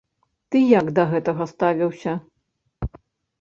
Ты як да гэтага ставіўся?